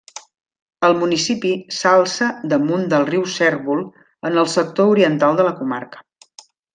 El municipi s'alça damunt del riu Cérvol en el sector oriental de la comarca.